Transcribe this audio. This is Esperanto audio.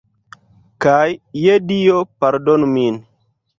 Kaj, je dio, pardonu min.